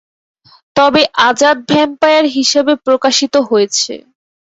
তবে, আজাদ ভ্যাম্পায়ার হিসাবে প্রকাশিত হয়েছে।